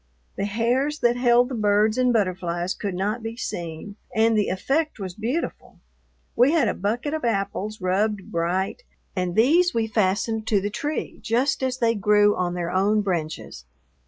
The hairs that held the birds and butterflies could not be seen, and the effect was beautiful. We had a bucket of apples rubbed bright, and these we fastened to the tree just as they grew on their own branches.